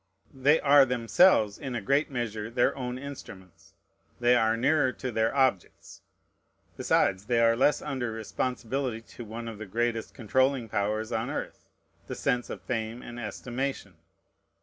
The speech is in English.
They are themselves in a great measure their own instruments. They are nearer to their objects. Besides, they are less under responsibility to one of the greatest controlling powers on earth, the sense of fame and estimation.